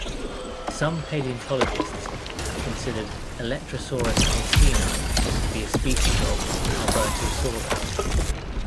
Some paleontologists have considered "Alectrosaurus olseni" to be a species of "Albertosaurus".